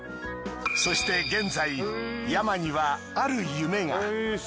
そして現在ＹＡＭＡにはある夢が。